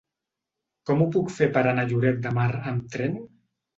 Com ho puc fer per anar a Lloret de Mar amb tren?